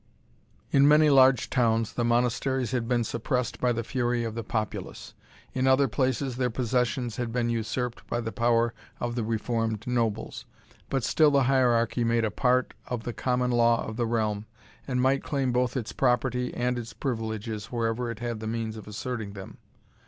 In many large towns, the monasteries had been suppressed by the fury of the populace; in other places, their possessions had been usurped by the power of the reformed nobles; but still the hierarchy made a part of the common law of the realm, and might claim both its property and its privileges wherever it had the means of asserting them.